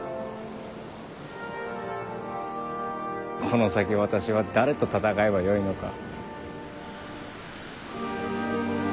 この先私は誰と戦えばよいのか。